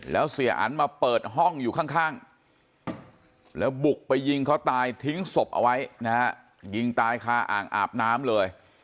แล้วเสียอันมาเปิดห้องอยู่ข้างแล้วบุกไปยิงเขาตายทิ้งศพเอาไว้นะฮะยิงตายคาอ่างอาบน้ำเลย